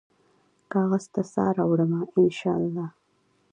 کاغذ ته سا راوړمه ، ان شا الله